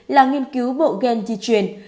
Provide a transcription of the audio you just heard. là nghiên cứu bộ gen di truyền